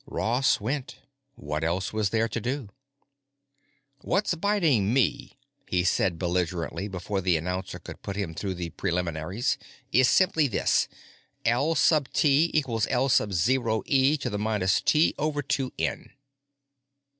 Ross went. What else was there to do? "What's biting me," he said belligerently before the announcer could put him through the preliminaries, "is simply this: L sub T equals L sub zero e to the minus T over two N."